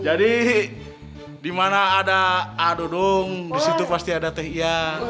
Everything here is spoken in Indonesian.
jadi di mana ada aduh dung di situ pasti ada teh iya